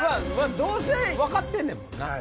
どうせ分かってんねんもんな。